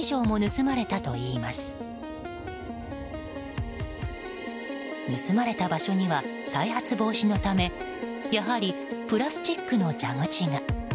盗まれた場所には再発防止のためやはりプラスチックの蛇口が。